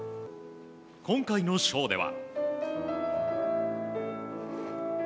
今回のショーでは。